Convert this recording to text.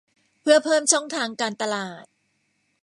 เพื่อเพิ่มช่องทางการตลาด